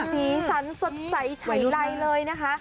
สีสันสดใสไฉลายเลยนะคะ